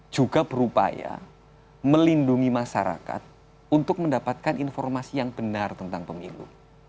juga berupaya melindungi masyarakat untuk mendapatkan informasi yang benar tentang pemilu